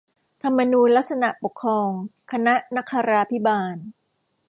ธรรมนูญลักษณปกครองคณะนคราภิบาล